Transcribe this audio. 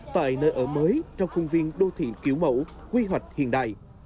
tại nơi ở mới trong khuôn viên đô thị kiểu mẫu quy hoạch hiện đại